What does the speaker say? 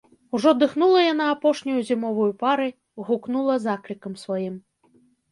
Ужо дыхнула яна апошняю зімоваю парай, гукнула заклікам сваім.